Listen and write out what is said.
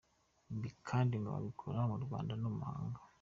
Ibi kandi ngo babikora mu Rwanda no mu mahanga.